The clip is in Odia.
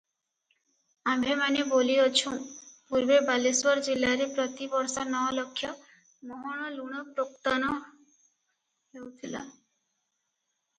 ଆମ୍ଭେମାନେ ବୋଲିଅଛୁଁ, ପୂର୍ବେ ବାଲେଶ୍ୱର ଜିଲ୍ଲାରେ ପ୍ରତି ବର୍ଷ ନ ଲକ୍ଷ ମହଣ ଲୁଣ ପ୍ରୋକ୍ତାନ ହେଉଥିଲା ।